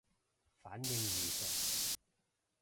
反應如上